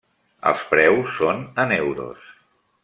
Els preus són en euros.